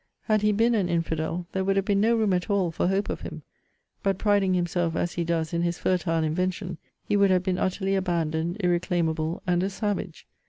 Had he been an infidel, there would have been no room at all for hope of him; but (priding himself as he does in his fertile invention) he would have been utterly abandoned, irreclaimable, and a savage.'